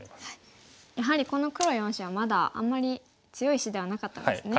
やはりこの黒４子はまだあんまり強い石ではなかったんですね。